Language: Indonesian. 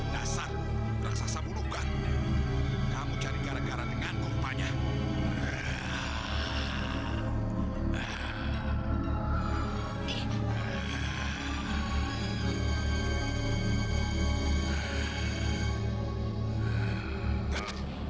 dasar raksasa bulukan kamu jadi gara gara dengan korbannya